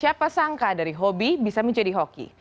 siapa sangka dari hobi bisa menjadi hoki